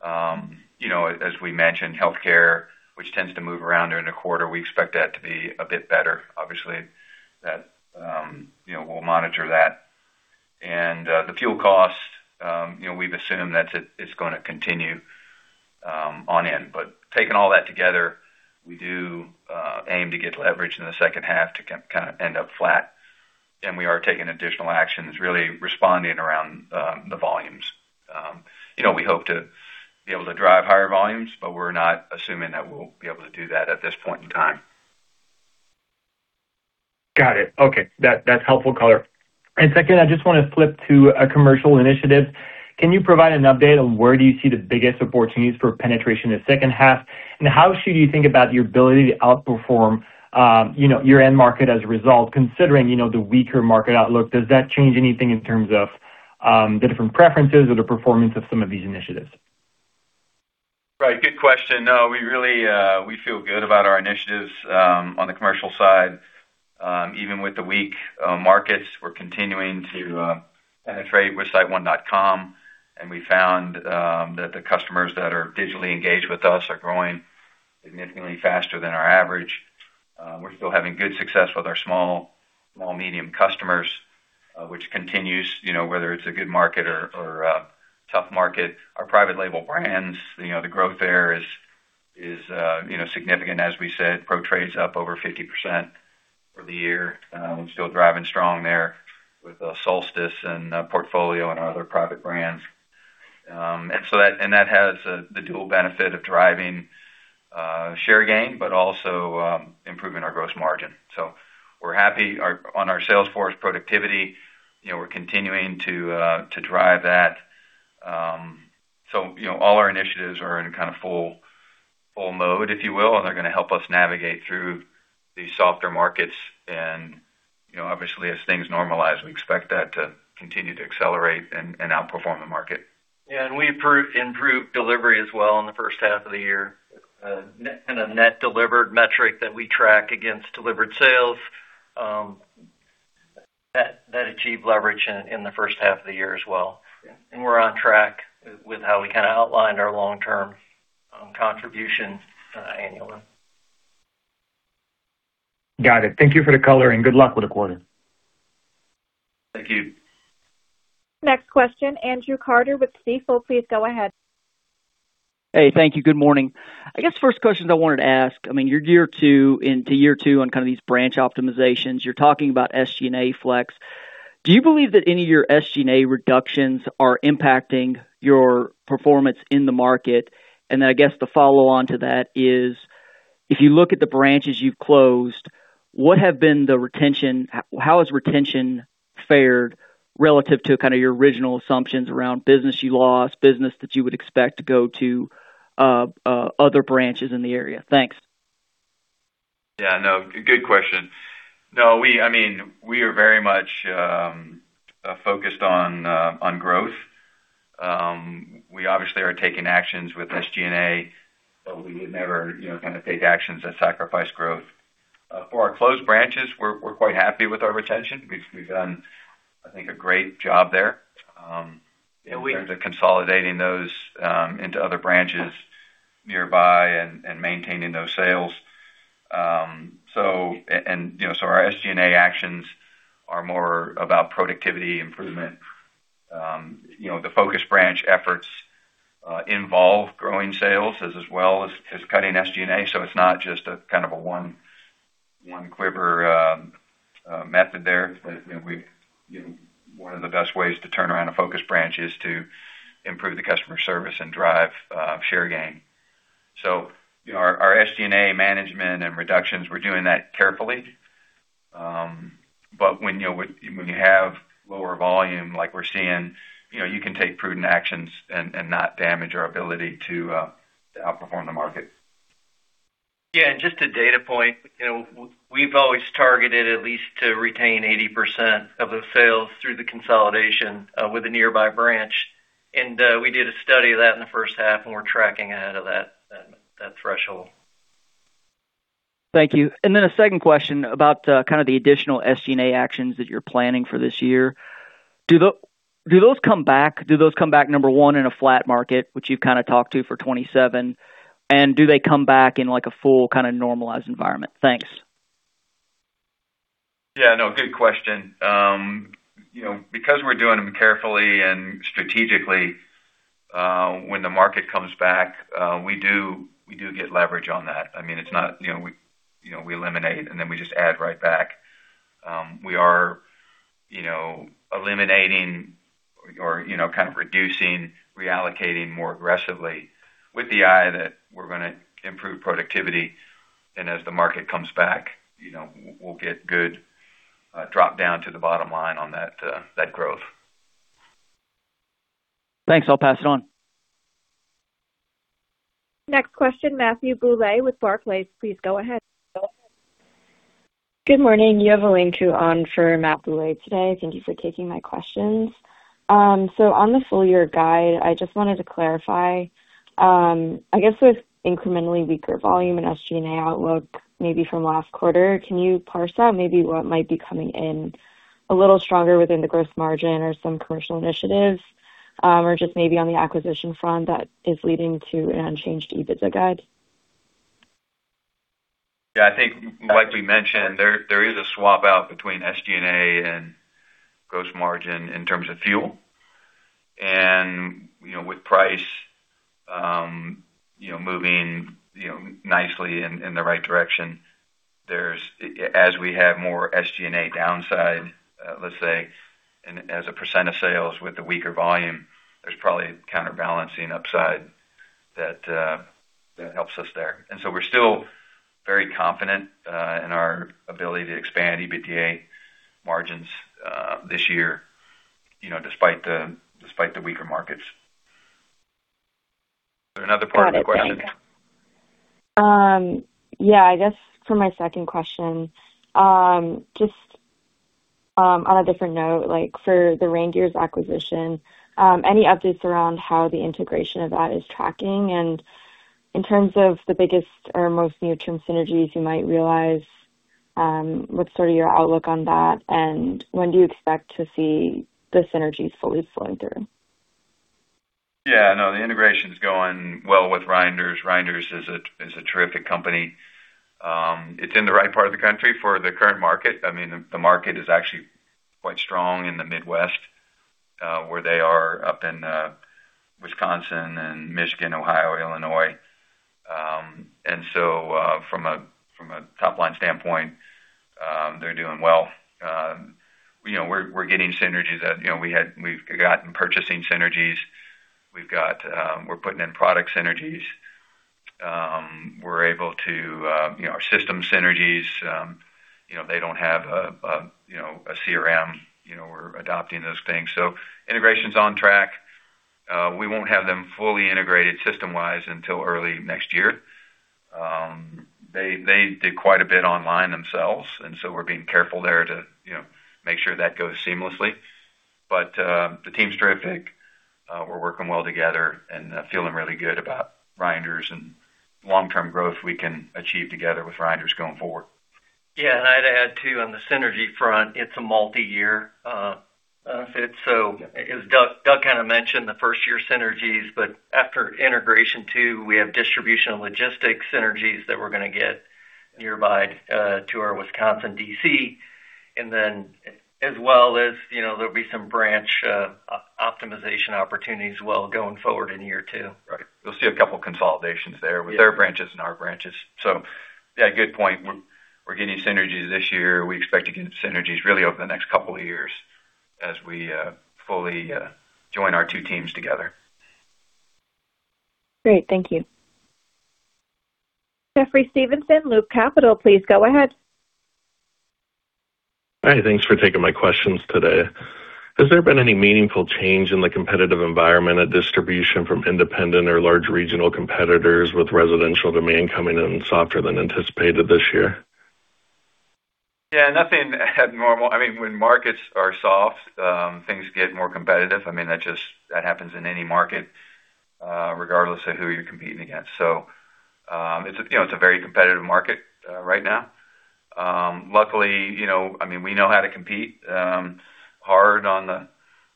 As we mentioned, healthcare, which tends to move around during the quarter, we expect that to be a bit better. Obviously, we'll monitor that. The fuel cost, we've assumed that it's going to continue on in. Taking all that together, we do aim to get leverage in the second half to kind of end up flat. We are taking additional actions, really responding around the volumes. We hope to be able to drive higher volumes. We're not assuming that we'll be able to do that at this point in time. Got it. Okay. That's helpful color. Second, I just want to flip to commercial initiatives. Can you provide an update on where do you see the biggest opportunities for penetration in the second half? How should you think about your ability to outperform your end market as a result, considering the weaker market outlook? Does that change anything in terms of the different preferences or the performance of some of these initiatives? Right. Good question. No, we feel good about our initiatives on the commercial side. Even with the weak markets, we're continuing to penetrate with siteone.com, and we found that the customers that are digitally engaged with us are growing significantly faster than our average. We're still having good success with our small, medium customers, which continues, whether it's a good market or a tough market. Our private label brands, the growth there is significant. As we said, Pro-Trade's up over 50% for the year. We're still driving strong there with Solstice and Portfolio and our other private brands. That has the dual benefit of driving share gain, but also improving our gross margin. We're happy on our sales force productivity. We're continuing to drive that. All our initiatives are in kind of full mode, if you will, and they're going to help us navigate through these softer markets. Obviously, as things normalize, we expect that to continue to accelerate and outperform the market. We improved delivery as well in the first half of the year. The net delivered metric that we track against delivered sales, that achieved leverage in the first half of the year as well. Yeah. We're on track with how we kind of outlined our long-term contribution annually. Got it. Thank you for the coloring. Good luck with the quarter. Thank you. Next question, Andrew Carter with Stifel. Please go ahead. Hey, thank you. Good morning. I guess first question I wanted to ask, I mean, you're year two into year two on kind of these branch optimizations. You're talking about SG&A flex. Do you believe that any of your SG&A reductions are impacting your performance in the market? I guess the follow-on to that is, if you look at the branches you've closed, how has retention fared relative to kind of your original assumptions around business you lost, business that you would expect to go to other branches in the area? Thanks. Good question. We are very much focused on growth. We obviously are taking actions with SG&A. We would never take actions that sacrifice growth. For our closed branches, we're quite happy with our retention. We've done, I think, a great job there Yeah. in terms of consolidating those into other branches nearby and maintaining those sales. Our SG&A actions are more about productivity improvement. The focus branch efforts involve growing sales as well as cutting SG&A. It's not just a kind of a one-quiver method there. One of the best ways to turn around a focus branch is to improve the customer service and drive share gain. Our SG&A management and reductions, we're doing that carefully. When you have lower volume like we're seeing, you can take prudent actions and not damage our ability to outperform the market. Yeah. Just a data point. We've always targeted at least to retain 80% of the sales through the consolidation with a nearby branch. We did a study of that in the first half, and we're tracking ahead of that threshold. Thank you. Then a second question about the additional SG&A actions that you're planning for this year. Do those come back, number one, in a flat market, which you've talked to for 2027? Do they come back in a full, normalized environment? Thanks. Yeah, no, good question. We're doing them carefully and strategically, when the market comes back, we do get leverage on that. It's not we eliminate and then we just add right back. We are eliminating or reducing, reallocating more aggressively with the eye that we're going to improve productivity. As the market comes back, we'll get good drop down to the bottom line on that growth. Thanks. I'll pass it on. Next question, Matthew Bouley with Barclays. Please go ahead. Good morning. You have Elaine Ku on for Matt Bouley today. Thank you for taking my questions. On the full year guide, I just wanted to clarify. I guess with incrementally weaker volume and SG&A outlook maybe from last quarter, can you parse out maybe what might be coming in a little stronger within the gross margin or some commercial initiatives? Or just maybe on the acquisition front that is leading to an unchanged EBITDA guide? Yeah, I think like we mentioned, there is a swap out between SG&A and gross margin in terms of fuel. With price moving nicely in the right direction, as we have more SG&A downside, let's say, and as a percent of sales with the weaker volume, there's probably counterbalancing upside that helps us there. We're still very confident in our ability to expand EBITDA margins this year despite the weaker markets. Is there another part of the question? Got it. Thanks. I guess for my second question, just on a different note, for the Reinders acquisition, any updates around how the integration of that is tracking and in terms of the biggest or most near-term synergies you might realize, what's your outlook on that, and when do you expect to see the synergies fully flowing through? No. The integration's going well with Reinders. Reinders is a terrific company. It's in the right part of the country for the current market. The market is actually quite strong in the Midwest, where they are up in Wisconsin and Michigan, Ohio, Illinois. From a top-line standpoint, they're doing well. We're getting synergies. We've gotten purchasing synergies. We're putting in product synergies. Our system synergies. They don't have a CRM. We're adopting those things. Integration's on track. We won't have them fully integrated system-wise until early next year. They did quite a bit online themselves, and we're being careful there to make sure that goes seamlessly. The team's terrific. We're working well together and feeling really good about Reinders and long-term growth we can achieve together with Reinders going forward. I'd add, too, on the synergy front, it's a multi-year benefit. As Doug kind of mentioned, the first-year synergies, but after integration, too, we have distribution logistics synergies that we're going to get nearby to our Wisconsin DC. There'll be some branch optimization opportunities as well going forward in year two. Right. You'll see a couple consolidations there with their branches and our branches. Good point. We're getting synergies this year. We expect to get synergies really over the next couple of years as we fully join our two teams together. Great. Thank you. Jeffrey Stevenson, Loop Capital. Please go ahead. Hi. Thanks for taking my questions today. Has there been any meaningful change in the competitive environment at distribution from independent or large regional competitors with residential demand coming in softer than anticipated this year? Yeah, nothing abnormal. When markets are soft, things get more competitive. That happens in any market, regardless of who you're competing against. It's a very competitive market right now. Luckily, we know how to compete hard on the,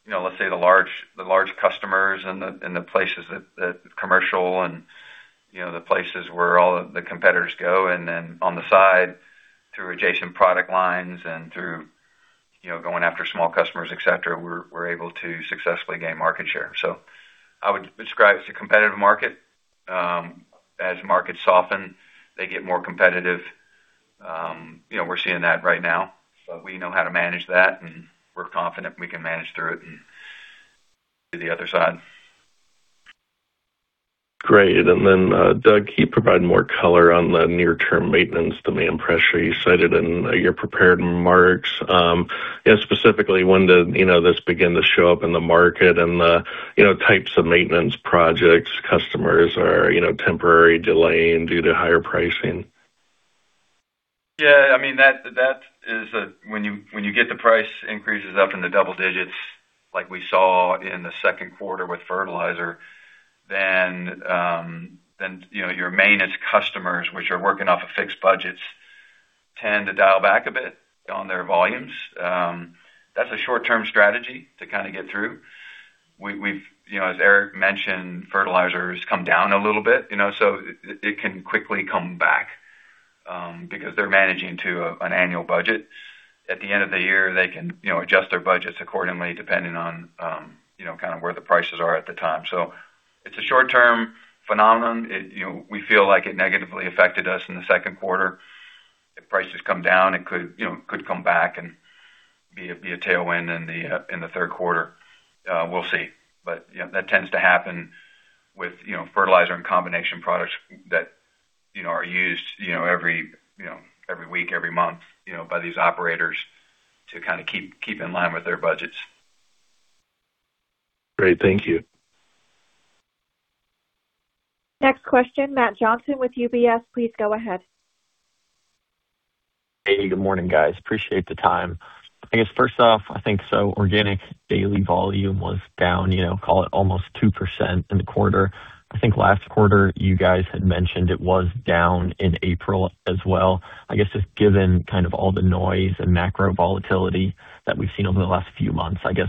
let's say, the large customers and the places that commercial and the places where all of the competitors go. On the side, through adjacent product lines and through Going after small customers, et cetera, we're able to successfully gain market share. I would describe it as a competitive market. As markets soften, they get more competitive. We're seeing that right now, we know how to manage that, and we're confident we can manage through it and to the other side. Great. Doug, can you provide more color on the near-term maintenance demand pressure you cited in your prepared remarks? Specifically, when did this begin to show up in the market and the types of maintenance projects customers are temporarily delaying due to higher pricing? Yeah. When you get the price increases up in the double digits, like we saw in the second quarter with fertilizer, your maintenance customers, which are working off of fixed budgets, tend to dial back a bit on their volumes. That's a short-term strategy to kind of get through. As Eric mentioned, fertilizer has come down a little bit, it can quickly come back because they're managing to an annual budget. At the end of the year, they can adjust their budgets accordingly, depending on where the prices are at the time. It's a short-term phenomenon. We feel like it negatively affected us in the second quarter. If prices come down, it could come back and be a tailwind in the third quarter. We'll see. That tends to happen with fertilizer and combination products that are used every week, every month by these operators to kind of keep in line with their budgets. Great. Thank you. Next question, Matt Johnson with UBS. Please go ahead. Hey, good morning, guys. Appreciate the time. I guess first off, I think so organic daily volume was down, call it almost 2% in the quarter. I think last quarter you guys had mentioned it was down in April as well. I guess, just given kind of all the noise and macro volatility that we've seen over the last few months, I guess,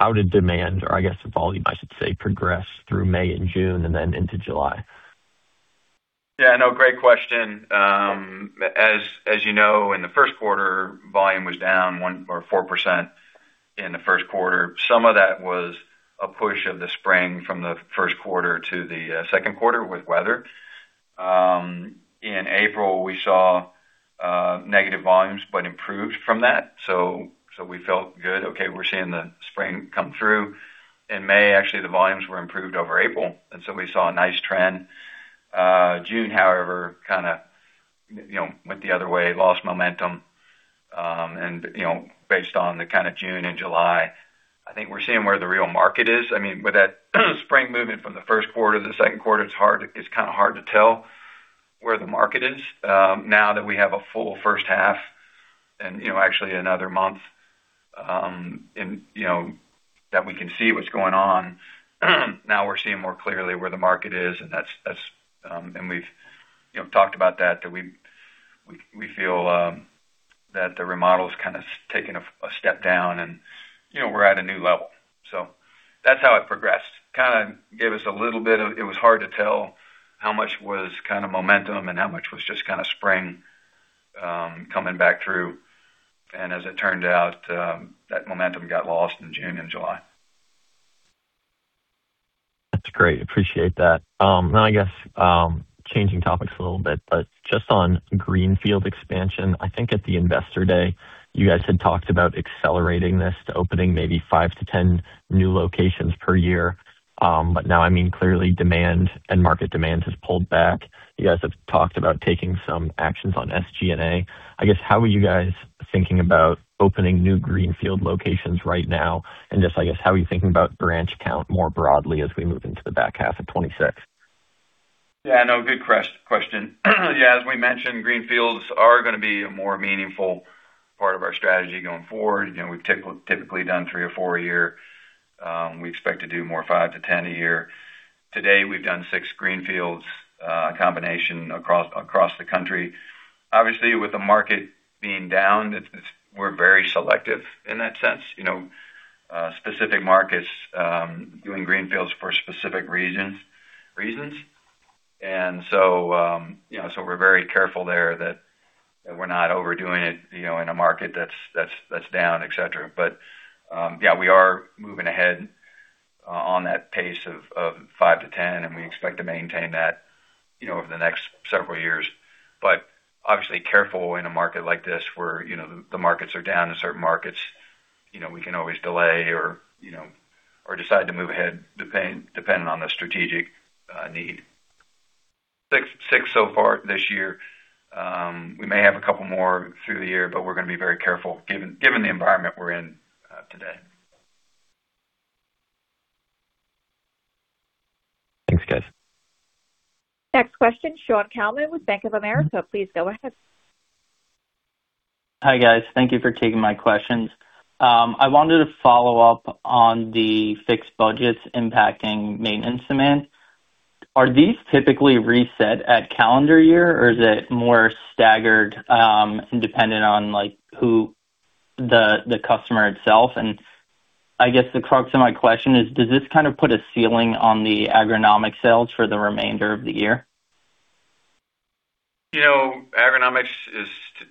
how did demand, or I guess volume, I should say, progress through May and June and then into July? Great question. As you know, in the first quarter, volume was down 4% in the first quarter. Some of that was a push of the spring from the first quarter to the second quarter with weather. In April, we saw negative volumes, but improved from that. We felt good. We're seeing the spring come through. In May, actually, the volumes were improved over April, and we saw a nice trend. June, however, kind of went the other way, lost momentum. Based on the kind of June and July, I think we're seeing where the real market is. With that spring movement from the first quarter to the second quarter, it's kind of hard to tell where the market is. Now that we have a full first half and actually another month that we can see what's going on, now we're seeing more clearly where the market is, and we've talked about that we feel that the remodel has kind of taken a step down, and we're at a new level. That's how it progressed. Kind of gave us a little bit of it was hard to tell how much was kind of momentum and how much was just kind of spring coming back through. As it turned out, that momentum got lost in June and July. That's great. Appreciate that. I guess, changing topics a little bit, just on greenfield expansion, I think at the Investor Day, you guys had talked about accelerating this to opening maybe five to 10 new locations per year. Now, clearly demand and market demands has pulled back. You guys have talked about taking some actions on SG&A. I guess, how are you guys thinking about opening new greenfield locations right now? Just, I guess, how are you thinking about branch count more broadly as we move into the back half of 2026? Good question. As we mentioned, greenfields are going to be a more meaningful part of our strategy going forward. We've typically done three or four a year. We expect to do more, five to 10 a year. To date we've done six greenfields, a combination across the country. Obviously, with the market being down, we're very selective in that sense. Specific markets doing greenfields for specific reasons. We're very careful there that we're not overdoing it in a market that's down, et cetera. We are moving ahead on that pace of five to 10, and we expect to maintain that over the next several years. Obviously careful in a market like this where the markets are down in certain markets. We can always delay or decide to move ahead depending on the strategic need. Six so far this year. We may have a couple more through the year, but we're going to be very careful given the environment we're in today. Thanks, guys. Next question, Shaun Calnan with Bank of America. Please go ahead. Hi, guys. Thank you for taking my questions. I wanted to follow up on the fixed budgets impacting maintenance demand. Are these typically reset at calendar year, or is it more staggered dependent on the customer itself? I guess the crux of my question is, does this kind of put a ceiling on the agronomic sales for the remainder of the year? Agronomics is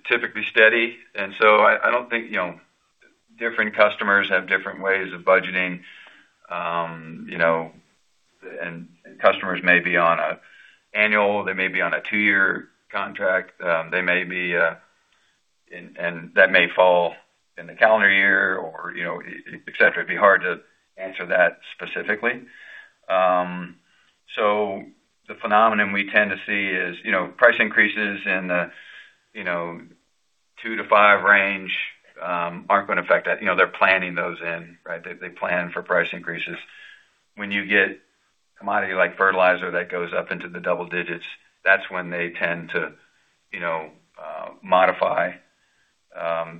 typically steady. I don't think different customers have different ways of budgeting. Customers may be on annual, they may be on a two-year contract. That may fall in the calendar year or et cetera. It'd be hard to answer that specifically. The phenomenon we tend to see is price increases in the two to five range aren't going to affect that. They're planning those in, right? They plan for price increases. When you get commodity like fertilizer that goes up into the double digits, that's when they tend to modify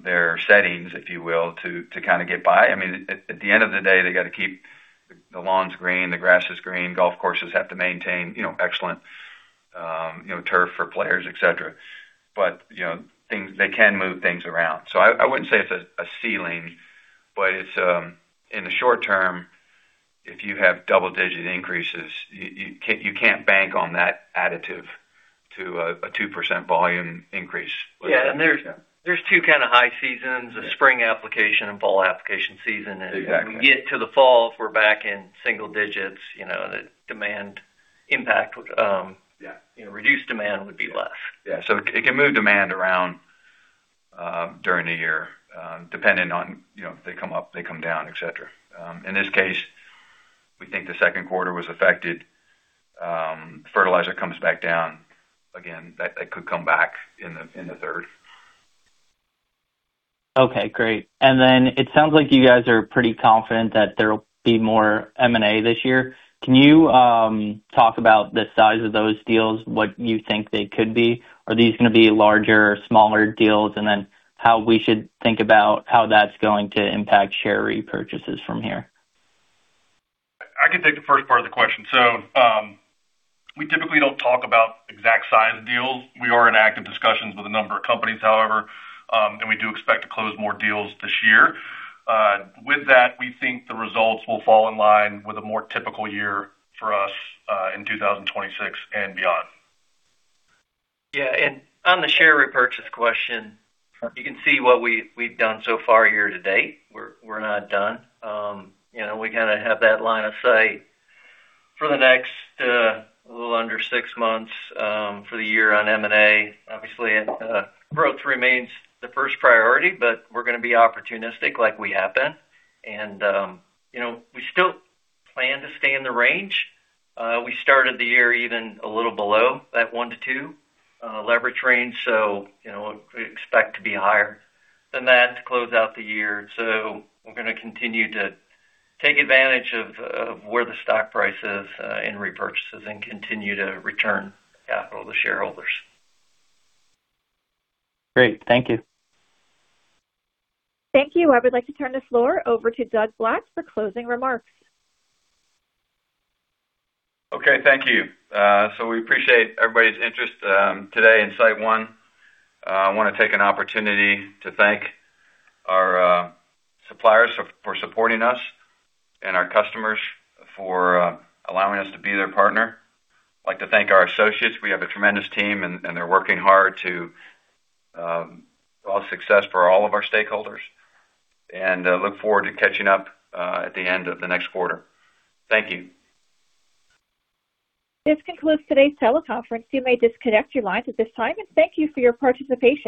their settings, if you will, to kind of get by. At the end of the day, they got to keep the lawns green, the grasses green, golf courses have to maintain excellent turf for players, et cetera. They can move things around. I wouldn't say it's a ceiling, but in the short term, if you have double-digit increases, you can't bank on that additive to a 2% volume increase. Yeah. There's two kind of high seasons, the spring application and fall application season. Exactly. When we get to the fall, if we're back in single digits, the demand impact. Yeah reduced demand would be less. Yeah. It can move demand around during the year, depending on they come up, they come down, et cetera. In this case, we think the second quarter was affected. Fertilizer comes back down again, that could come back in the third. Okay, great. It sounds like you guys are pretty confident that there'll be more M&A this year. Can you talk about the size of those deals, what you think they could be? Are these going to be larger or smaller deals? How we should think about how that's going to impact share repurchases from here? I can take the first part of the question. We typically don't talk about exact size deals. We are in active discussions with a number of companies, however, and we do expect to close more deals this year. With that, we think the results will fall in line with a more typical year for us in 2026 and beyond. Yeah. On the share repurchase question, you can see what we've done so far year to date. We're not done. We kind of have that line of sight for the next little under six months for the year on M&A. Obviously, growth remains the first priority, but we're going to be opportunistic like we have been. We still plan to stay in the range. We started the year even a little below that one to two leverage range, so we expect to be higher than that to close out the year. We're going to continue to take advantage of where the stock price is in repurchases and continue to return capital to shareholders. Great. Thank you. Thank you. I would like to turn the floor over to Doug Black for closing remarks. Okay. Thank you. We appreciate everybody's interest today in SiteOne. I want to take an opportunity to thank our suppliers for supporting us and our customers for allowing us to be their partner. I'd like to thank our associates. We have a tremendous team, and they're working hard to foster success for all of our stakeholders. Look forward to catching up at the end of the next quarter. Thank you. This concludes today's teleconference. You may disconnect your lines at this time, and thank you for your participation.